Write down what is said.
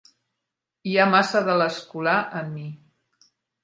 Hi ha massa de l'escolar en mi.